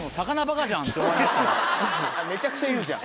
めちゃくちゃ言うじゃん。